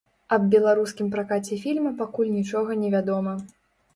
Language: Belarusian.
Аб беларускім пракаце фільма пакуль нічога не вядома.